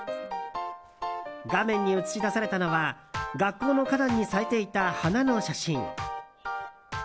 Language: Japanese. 画面に映し出されたのは学校の花壇に咲いていた花の写真。